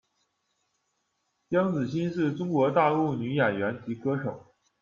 姜梓新，是中国大陆女演员及歌手。